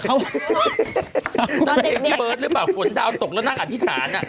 นั่นเองพี่เบิร์ตหรือเปล่าฝนดาวตกแล้วนั่งอธิษฐาน